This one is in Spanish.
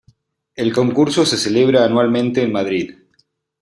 El concurso se celebra anualmente en Madrid.